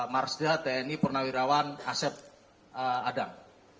marsda tni purnamirawan aset adang